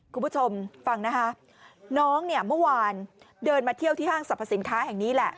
คุณผู้ชมฟังนะคะน้องเนี่ยเมื่อวานเดินมาเที่ยวที่ห้างสรรพสินค้าแห่งนี้แหละ